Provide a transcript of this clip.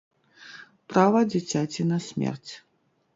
Права дзіцяці на смерць.